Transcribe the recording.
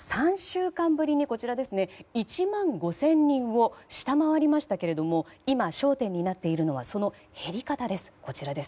３週間ぶりに１万５０００人を下回りましたが今、焦点になっているのはその減り方です。